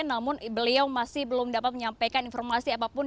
namun beliau masih belum dapat menyampaikan informasi apapun